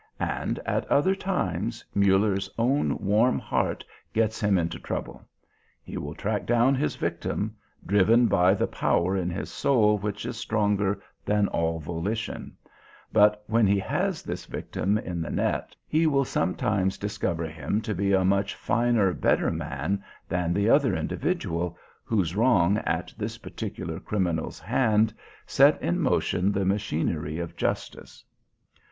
And at other times, Muller's own warm heart gets him into trouble. He will track down his victim, driven by the power in his soul which is stronger than all volition; but when he has this victim in the net, he will sometimes discover him to be a much finer, better man than the other individual, whose wrong at this particular criminal's hand set in motion the machinery of justice.